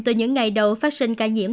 từ những ngày đầu phát sinh ca nhiễm